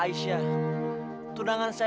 aisyah cium tangan fabi